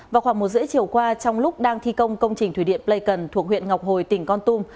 vào khoảng một h ba mươi chiều qua trong lúc đang thi công công trình thủy điện pleikon thuộc huyện ngọc hồi tỉnh con tum